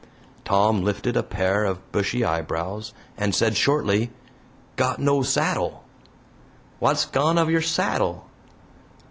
Tom lifted a pair of bushy eyebrows, and said shortly: "Got no saddle." "Wot's gone of your saddle?"